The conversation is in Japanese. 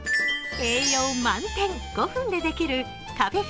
栄養満点、５分でできるカフェ風